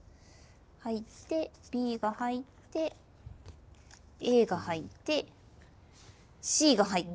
入ってＢが入ってＡが入ってＣが入る。